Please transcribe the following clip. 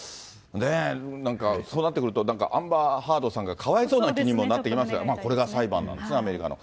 なんかそうなってくると、アンバー・ハードさんがかわいそうな気にもなってきますが、これが裁判なんですが、アメリカの。